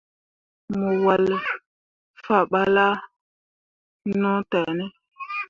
Mo walle fah balla no tah ne ?